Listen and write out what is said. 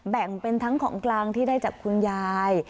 แบ่งเป็นทั้งของกลางที่ได้จากคุณยาย